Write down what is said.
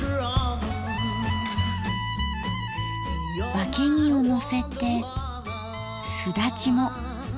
わけぎをのせてすだちも。